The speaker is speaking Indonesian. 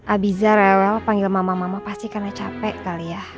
abiza rewel panggil mama mama pasti karena capek kali ya